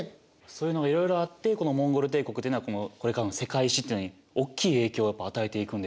そういうのがいろいろあってこのモンゴル帝国というのはこれからの世界史というのにおっきい影響を与えていくんですね。